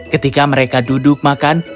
ketika mereka duduk makan